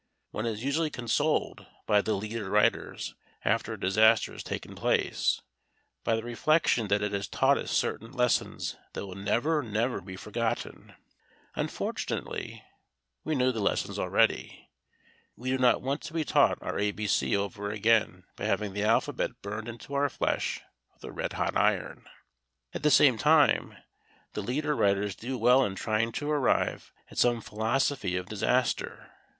One is usually consoled by the leader writers, after a disaster has taken place, by the reflection that it has taught us certain lessons that will never, never be forgotten. Unfortunately, we knew the lessons already. We do not want to be taught our A B C over again by having the alphabet burned into our flesh with a red hot iron. At the same time, the leader writers do well in trying to arrive at some philosophy of disaster.